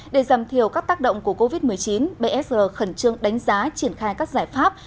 để giảm thiểu các tác động của covid một mươi chín bsr khẩn trương đánh giá triển khai các giải pháp